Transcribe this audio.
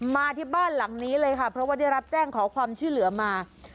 มาที่บ้านหลังนี้เลยค่ะเพราะว่าได้รับแจ้งขอความช่วยเหลือมา